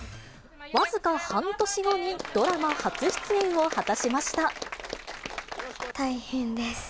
僅か半年後にドラマ初出演を果た大変です。